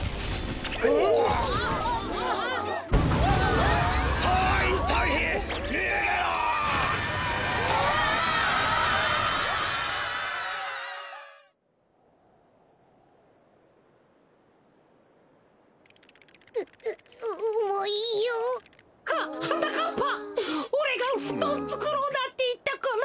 おれがふとんつくろうなんていったから。